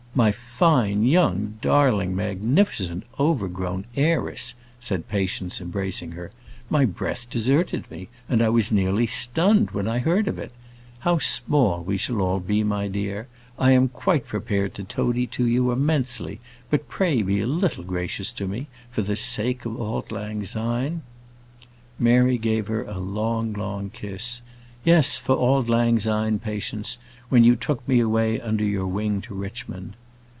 "My fine, young, darling, magnificent, overgrown heiress," said Patience, embracing her. "My breath deserted me, and I was nearly stunned when I heard of it. How small we shall all be, my dear! I am quite prepared to toady to you immensely; but pray be a little gracious to me, for the sake of auld lang syne." Mary gave a long, long kiss. "Yes, for auld lang syne, Patience; when you took me away under your wing to Richmond."